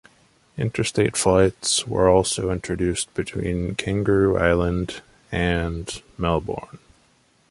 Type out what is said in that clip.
Interstate flights were also introduced between Kangaroo Island and Melbourne.